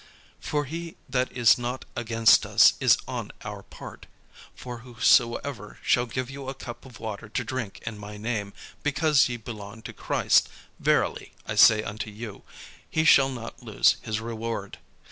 For he that is not against us is on our part. For whosoever shall give you a cup of water to drink in my name, because ye belong to Christ, verily I say unto you, he shall not lose his reward.